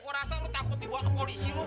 gue rasa lo takut dibawa ke polisi lo